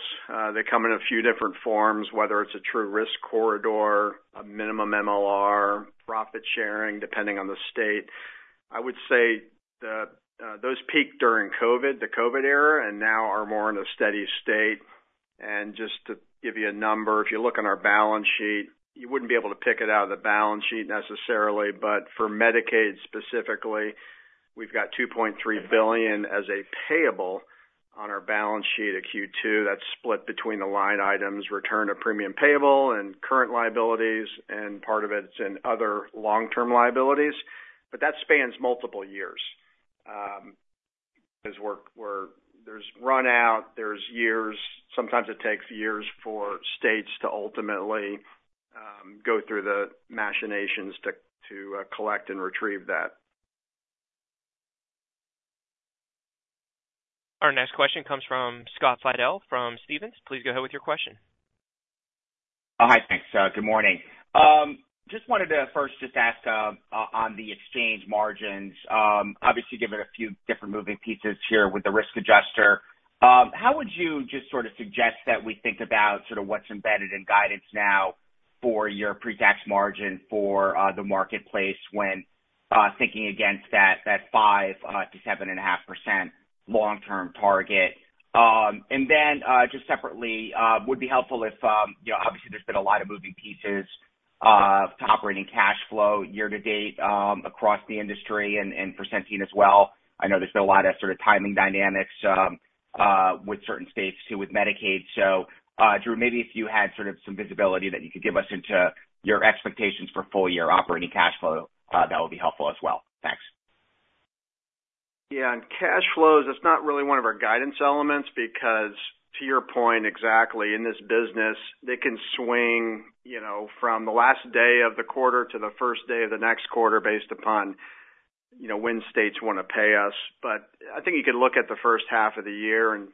They come in a few different forms, whether it's a true risk corridor, a minimum MLR, profit sharing, depending on the state. I would say those peaked during COVID, the COVID era, and now are more in a steady state. And just to give you a number, if you look on our balance sheet, you wouldn't be able to pick it out of the balance sheet necessarily. But for Medicaid specifically, we've got $2.3 billion as a payable on our balance sheet at Q2. That's split between the line items, return to premium payable and current liabilities, and part of it's in other long-term liabilities. But that spans multiple years because there's runout, there's years. Sometimes it takes years for states to ultimately go through the machinations to collect and retrieve that. Our next question comes from Scott Fidel from Stephens. Please go ahead with your question. Hi, thanks. Good morning. Just wanted to first just ask on the exchange margins, obviously given a few different moving pieces here with the risk adjustment. How would you just sort of suggest that we think about sort of what's embedded in guidance now for your pre-tax margin for the marketplace when thinking against that 5%-7.5% long-term target? And then just separately, it would be helpful if obviously there's been a lot of moving pieces to operating cash flow year to date across the industry and pricing as well. I know there's been a lot of sort of timing dynamics with certain states too with Medicaid. So, Drew, maybe if you had sort of some visibility that you could give us into your expectations for full-year operating cash flow, that would be helpful as well. Thanks. Yeah. Cash flows, that's not really one of our guidance elements because to your point, exactly in this business, they can swing from the last day of the quarter to the first day of the next quarter based upon when states want to pay us. I think you could look at the first half of the year, and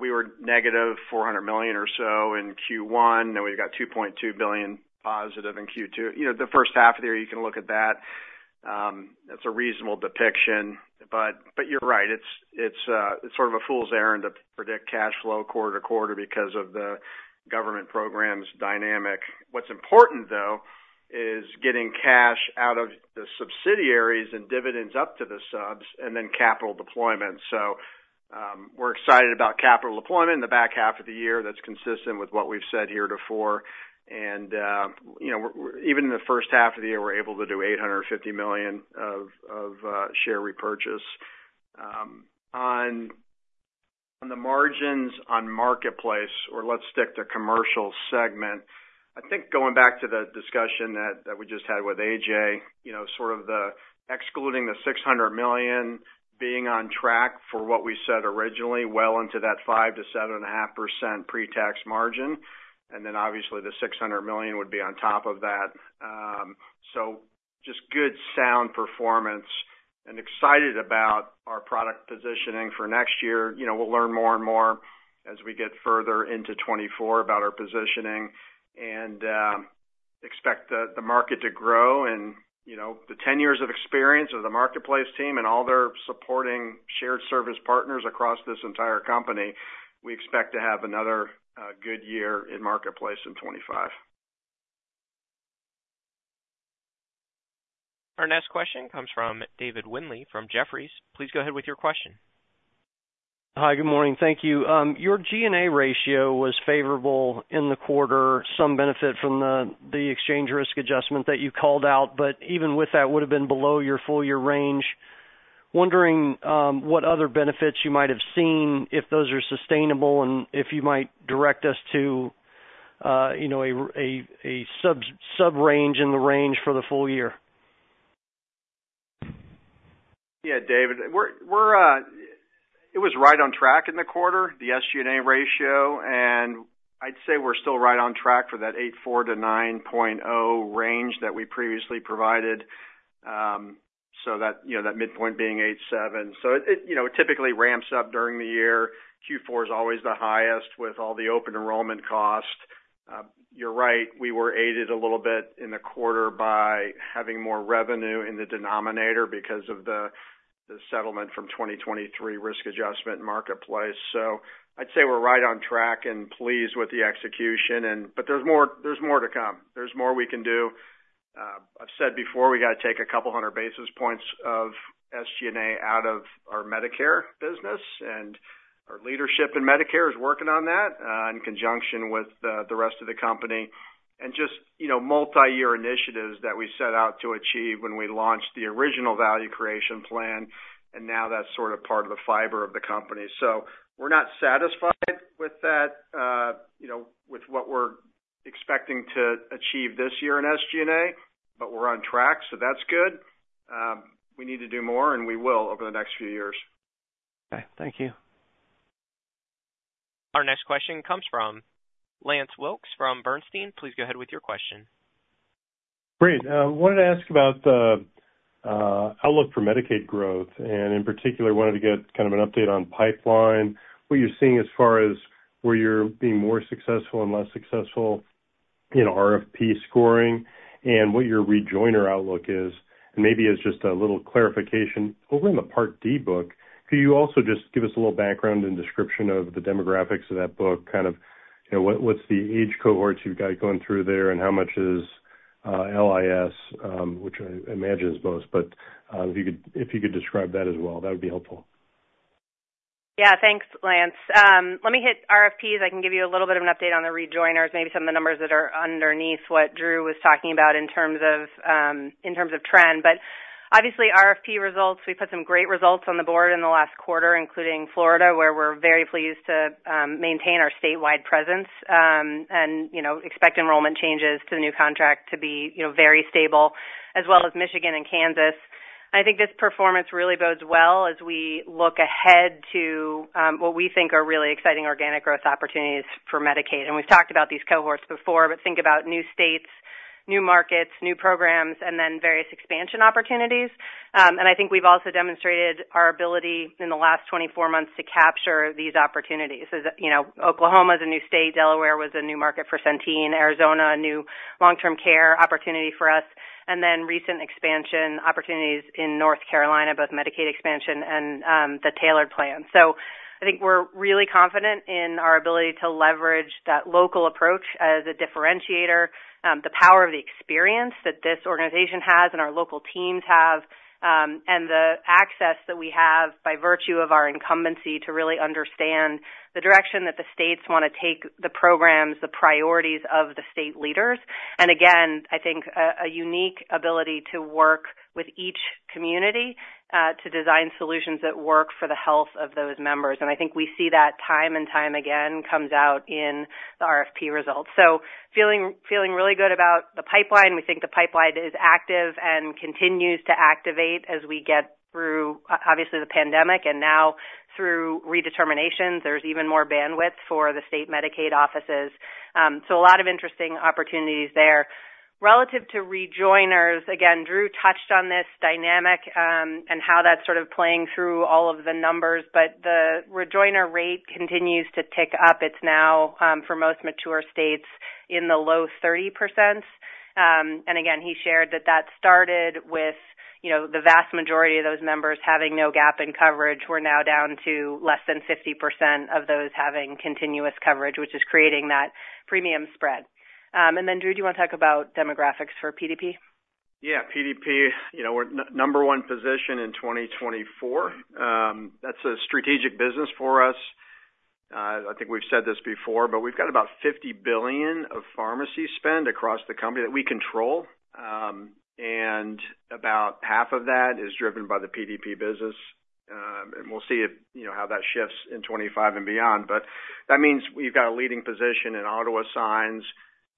we were -$400 million or so in Q1, and we've got +$2.2 billion in Q2. The first half of the year, you can look at that. That's a reasonable depiction. You're right. It's sort of a fool's errand to predict cash flow quarter to quarter because of the government program's dynamic. What's important, though, is getting cash out of the subsidiaries and dividends up to the subs and then capital deployment. We're excited about capital deployment in the back half of the year. That's consistent with what we've said here before. And even in the first half of the year, we're able to do $850 million of share repurchase. On the margins on marketplace, or let's stick to commercial segment, I think going back to the discussion that we just had with A.J., sort of excluding the $600 million being on track for what we said originally, well into that 5%-7.5% pre-tax margin. And then obviously the $600 million would be on top of that. So just good sound performance and excited about our product positioning for next year. We'll learn more and more as we get further into 2024 about our positioning and expect the market to grow. And the 10 years of experience of the marketplace team and all their supporting shared service partners across this entire company, we expect to have another good year in marketplace in 2025. Our next question comes from David Windley from Jefferies. Please go ahead with your question. Hi, good morning. Thank you. Your G&A ratio was favorable in the quarter, some benefit from the exchange risk adjustment that you called out, but even with that, would have been below your full-year range. Wondering what other benefits you might have seen if those are sustainable and if you might direct us to a sub-range in the range for the full year. Yeah, David, it was right on track in the quarter, the SG&A ratio. And I'd say we're still right on track for that 8.4-9.0 range that we previously provided. So that midpoint being 8.7. So it typically ramps up during the year. Q4 is always the highest with all the open enrollment cost. You're right. We were aided a little bit in the quarter by having more revenue in the denominator because of the settlement from 2023 risk adjustment marketplace. So I'd say we're right on track and pleased with the execution. But there's more to come. There's more we can do. I've said before, we got to take 100 basis points of SG&A out of our Medicare business. And our leadership in Medicare is working on that in conjunction with the rest of the company. And just multi-year initiatives that we set out to achieve when we launched the original value creation plan. And now that's sort of part of the fiber of the company. So we're not satisfied with that, with what we're expecting to achieve this year in SG&A, but we're on track. So that's good. We need to do more, and we will over the next few years. Okay. Thank you. Thank you. Our next question comes from Lance Wilkes from Bernstein. Please go ahead with your question. Great. I wanted to ask about the outlook for Medicaid growth. And in particular, wanted to get kind of an update on pipeline, what you're seeing as far as where you're being more successful and less successful in RFP scoring, and what your retender outlook is. And maybe as just a little clarification over in the Part D book, could you also just give us a little background and description of the demographics of that book? Kind of what's the age cohorts you've got going through there, and how much is LIS, which I imagine is most? But if you could describe that as well, that would be helpful. Yeah. Thanks, Lance. Let me hit RFPs. I can give you a little bit of an update on the rejoiners, maybe some of the numbers that are underneath what Drew was talking about in terms of trend. But obviously, RFP results, we've had some great results on the board in the last quarter, including Florida, where we're very pleased to maintain our statewide presence and expect enrollment changes to the new contract to be very stable, as well as Michigan and Kansas. I think this performance really bodes well as we look ahead to what we think are really exciting organic growth opportunities for Medicaid. And we've talked about these cohorts before, but think about new states, new markets, new programs, and then various expansion opportunities. And I think we've also demonstrated our ability in the last 24 months to capture these opportunities. Oklahoma is a new state. Delaware was a new market for Centene. Arizona, a new long-term care opportunity for us. And then recent expansion opportunities in North Carolina, both Medicaid expansion and the Tailored Plan. So I think we're really confident in our ability to leverage that local approach as a differentiator, the power of the experience that this organization has and our local teams have, and the access that we have by virtue of our incumbency to really understand the direction that the states want to take the programs, the priorities of the state leaders. And again, I think a unique ability to work with each community to design solutions that work for the health of those members. And I think we see that time and time again comes out in the RFP results. So feeling really good about the pipeline. We think the pipeline is active and continues to activate as we get through, obviously, the pandemic and now through redeterminations. There's even more bandwidth for the state Medicaid offices. So a lot of interesting opportunities there. Relative to rejoiners, again, Drew touched on this dynamic and how that's sort of playing through all of the numbers. But the rejoiner rate continues to tick up. It's now, for most mature states, in the low 30%. And again, he shared that that started with the vast majority of those members having no gap in coverage. We're now down to less than 50% of those having continuous coverage, which is creating that premium spread. And then, Drew, do you want to talk about demographics for PDP? Yeah. PDP, we're number one position in 2024. That's a strategic business for us. I think we've said this before, but we've got about $50 billion of pharmacy spend across the company that we control. And about half of that is driven by the PDP business. And we'll see how that shifts in 2025 and beyond. But that means we've got a leading position in auto assigns.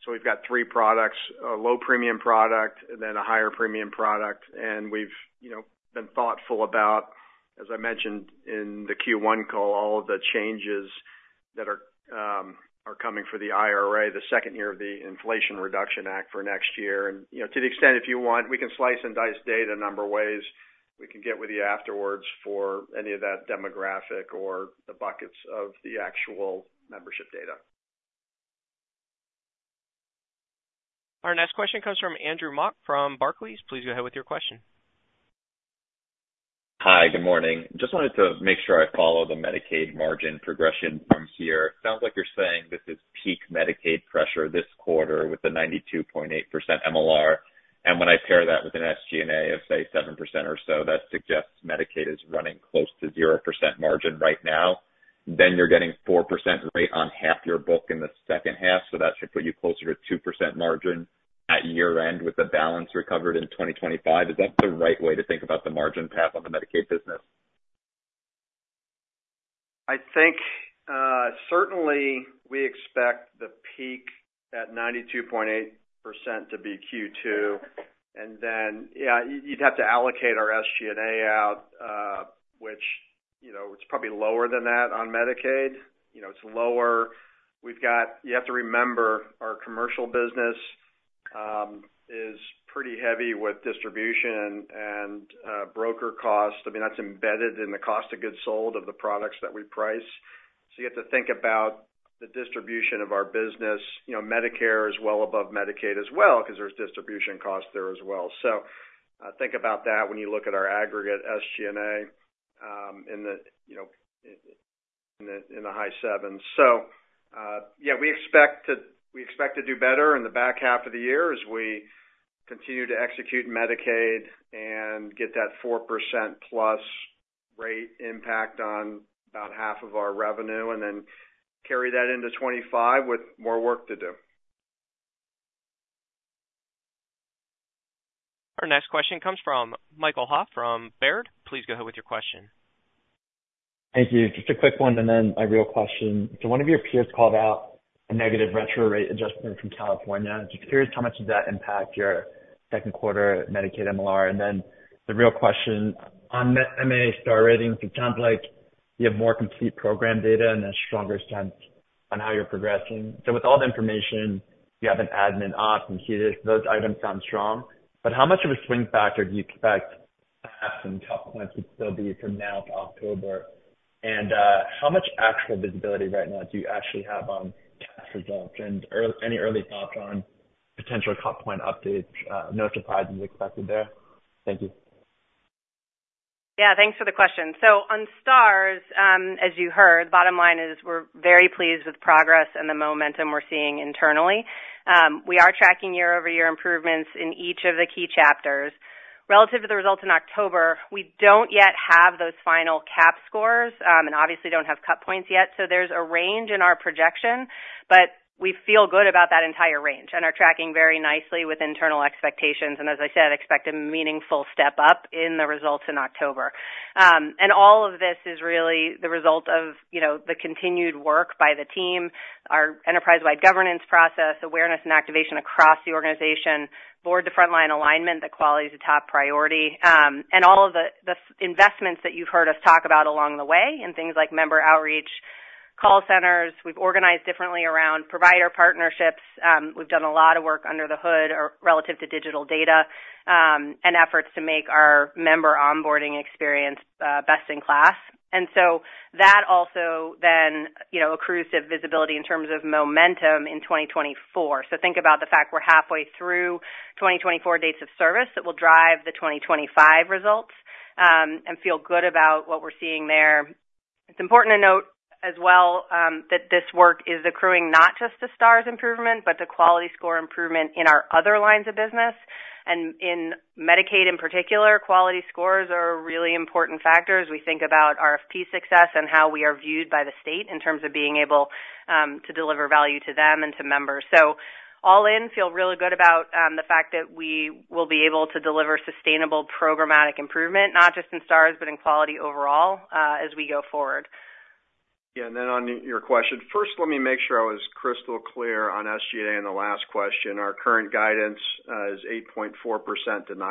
So we've got three products: a low premium product, then a higher premium product. And we've been thoughtful about, as I mentioned in the Q1 call, all of the changes that are coming for the IRA, the second year of the Inflation Reduction Act for next year. And to the extent if you want, we can slice and dice data a number of ways. We can get with you afterwards for any of that demographic or the buckets of the actual membership data. Our next question comes from Andrew Mok from Barclays. Please go ahead with your question. Hi, good morning. Just wanted to make sure I follow the Medicaid margin progression from here. Sounds like you're saying this is peak Medicaid pressure this quarter with the 92.8% MLR. And when I pair that with an SG&A of, say, 7% or so, that suggests Medicaid is running close to 0% margin right now. Then you're getting 4% rate on half your book in the second half. So that should put you closer to 2% margin at year-end with the balance recovered in 2025. Is that the right way to think about the margin path on the Medicaid business? I think certainly we expect the peak at 92.8% to be Q2. And then, yeah, you'd have to allocate our SG&A out, which it's probably lower than that on Medicaid. It's lower. You have to remember our commercial business is pretty heavy with distribution and broker costs. I mean, that's embedded in the cost of goods sold of the products that we price. So you have to think about the distribution of our business. Medicare is well above Medicaid as well because there's distribution costs there as well. So think about that when you look at our aggregate SG&A in the high sevens. So, yeah, we expect to do better in the back half of the year as we continue to execute Medicaid and get that 4%+ rate impact on about half of our revenue and then carry that into 2025 with more work to do. Our next question comes from Michael Ha from Baird. Please go ahead with your question. Thank you. Just a quick one and then a real question. So one of your peers called out a negative retro rate adjustment from California. I'm just curious how much did that impact your second quarter Medicaid MLR? And then the real question on MA Star rating, it sounds like you have more complete program data and a stronger sense on how you're progressing. So with all the information you have, an admin ops and HEDIS those items sound strong. But how much of a swing factor do you expect HEDIS and top points would still be from now to October? And how much actual visibility right now do you actually have on HEDIS results? And any early thoughts on potential top point updates? No surprises expected there. Thank you. Yeah. Thanks for the question. So on Stars, as you heard, the bottom line is we're very pleased with progress and the momentum we're seeing internally. We are tracking year-over-year improvements in each of the key chapters. Relative to the results in October, we don't yet have those final CAHPS scores and obviously don't have Cut Points yet. So there's a range in our projection, but we feel good about that entire range and are tracking very nicely with internal expectations. And as I said, expect a meaningful step up in the results in October. And all of this is really the result of the continued work by the team, our enterprise-wide governance process, awareness and activation across the organization, board to frontline alignment, the quality is a top priority, and all of the investments that you've heard us talk about along the way and things like member outreach, call centers. We've organized differently around provider partnerships. We've done a lot of work under the hood relative to digital data and efforts to make our member onboarding experience best in class. And so that also then accrues to visibility in terms of momentum in 2024. So think about the fact we're halfway through 2024 dates of service that will drive the 2025 results and feel good about what we're seeing there. It's important to note as well that this work is accruing not just the Stars improvement, but the quality score improvement in our other lines of business. And in Medicaid in particular, quality scores are really important factors. We think about RFP success and how we are viewed by the state in terms of being able to deliver value to them and to members. So all in, feel really good about the fact that we will be able to deliver sustainable programmatic improvement, not just in Stars, but in quality overall as we go forward. Yeah. And then on your question, first, let me make sure I was crystal clear on SG&A in the last question. Our current guidance is 8.4%-9%.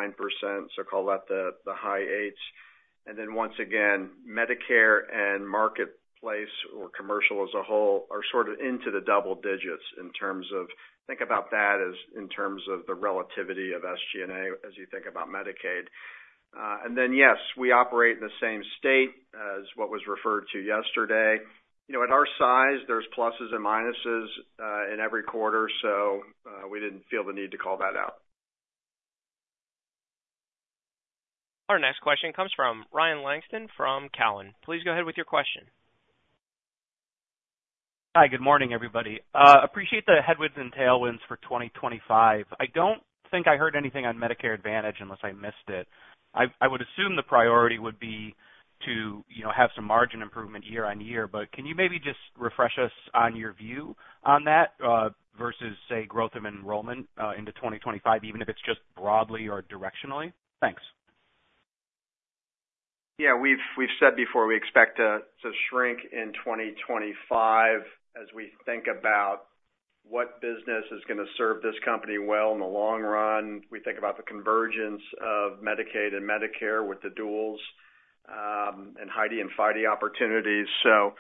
So call that the high eights. And then once again, Medicare and marketplace or commercial as a whole are sort of into the double digits in terms of think about that as in terms of the relativity of SG&A as you think about Medicaid. And then, yes, we operate in the same state as what was referred to yesterday. At our size, there's pluses and minuses in every quarter. So we didn't feel the need to call that out. Our next question comes from Ryan Langston from Cowen. Please go ahead with your question. Hi, good morning, everybody. Appreciate the headwinds and tailwinds for 2025. I don't think I heard anything on Medicare Advantage unless I missed it. I would assume the priority would be to have some margin improvement year on year. But can you maybe just refresh us on your view on that versus, say, growth of enrollment into 2025, even if it's just broadly or directionally? Thanks. Yeah. We've said before we expect to shrink in 2025 as we think about what business is going to serve this company well in the long run. We think about the convergence of Medicaid and Medicare with the duals and HIDE and FIDE opportunities. So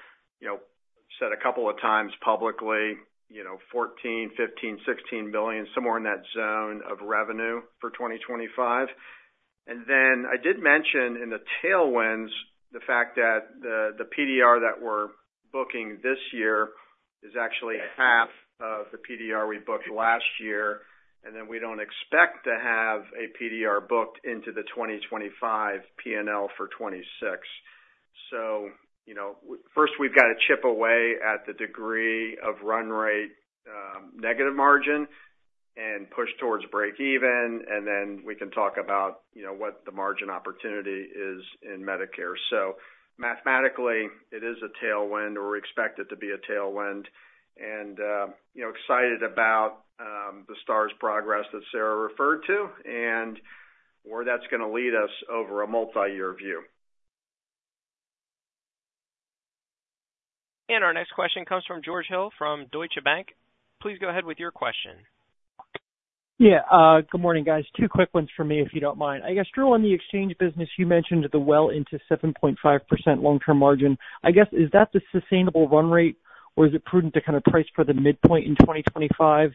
said a couple of times publicly, $14 billion, $15 billion, $16 billion, somewhere in that zone of revenue for 2025. And then I did mention in the tailwinds the fact that the PDR that we're booking this year is actually half of the PDR we booked last year. And then we don't expect to have a PDR booked into the 2025 P&L for 2026. So first, we've got to chip away at the degree of run rate negative margin and push towards breakeven. And then we can talk about what the margin opportunity is in Medicare. So mathematically, it is a tailwind or we expect it to be a tailwind. And excited about the Stars progress that Sarah referred to and where that's going to lead us over a multi-year view. And our next question comes from George Hill from Deutsche Bank. Please go ahead with your question. Yeah. Good morning, guys. Two quick ones for me, if you don't mind. I guess, Drew, on the exchange business, you mentioned we're well into 7.5% long-term margin. I guess, is that the sustainable run rate, or is it prudent to kind of price for the midpoint in 2025?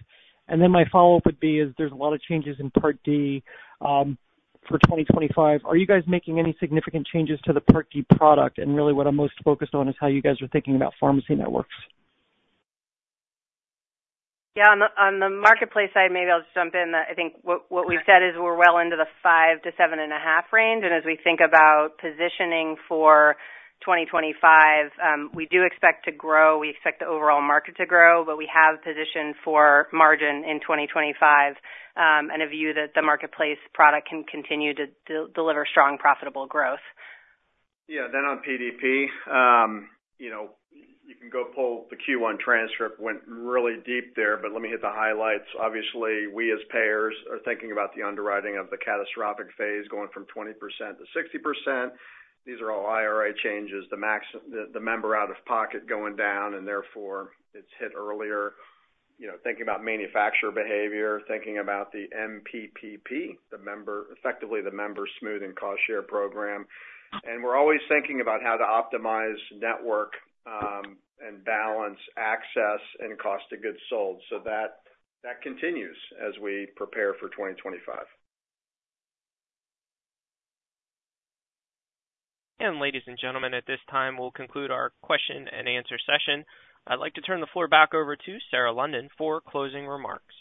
And then my follow-up would be is there's a lot of changes in Part D for 2025. Are you guys making any significant changes to the Part D product? And really, what I'm most focused on is how you guys are thinking about pharmacy networks. Yeah. On the marketplace side, maybe I'll just jump in. I think what we've said is we're well into the 5%-7.5% range. And as we think about positioning for 2025, we do expect to grow. We expect the overall market to grow, but we have position for margin in 2025 and a view that the marketplace product can continue to deliver strong, profitable growth. Yeah. Then on PDP, you can go pull the Q1 transcript. Went really deep there, but let me hit the highlights. Obviously, we as payers are thinking about the underwriting of the catastrophic phase going from 20%-60%. These are all IRA changes. The member out of pocket going down, and therefore, it's hit earlier. Thinking about manufacturer behavior, thinking about the MPPP, effectively the member smoothing cost share program. And we're always thinking about how to optimize network and balance access and cost of goods sold so that continues as we prepare for 2025. And ladies and gentlemen, at this time, we'll conclude our question and answer session. I'd like to turn the floor back over to Sarah London for closing remarks.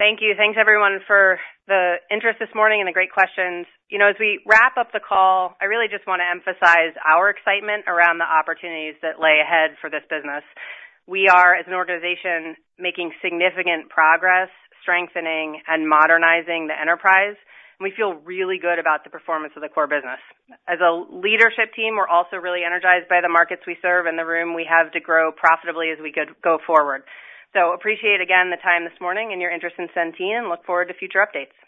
Thank you. Thanks, everyone, for the interest this morning and the great questions. As we wrap up the call, I really just want to emphasize our excitement around the opportunities that lay ahead for this business. We are, as an organization, making significant progress, strengthening, and modernizing the enterprise. We feel really good about the performance of the core business. As a leadership team, we're also really energized by the markets we serve. In the room, we have to grow profitably as we go forward. Appreciate, again, the time this morning and your interest in Centene. Look forward to future updates.